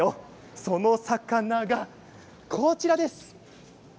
その魚こちらです。